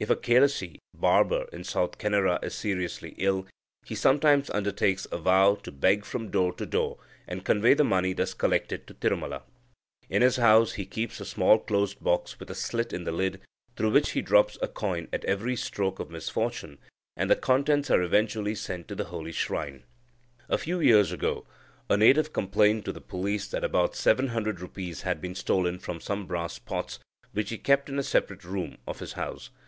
If a Kelasi (barber) in South Canara is seriously ill, he sometimes undertakes a vow to beg from door to door, and convey the money thus collected to Tirumala. In his house he keeps a small closed box with a slit in the lid, through which he drops a coin at every stroke of misfortune, and the contents are eventually sent to the holy shrine. A few years ago, a Native complained to the police that about seven hundred rupees had been stolen from some brass pots, which he kept in a separate room of his house.